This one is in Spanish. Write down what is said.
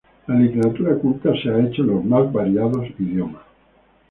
La literatura culta se ha hecho en los más varios idiomas.